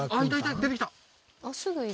出てきた！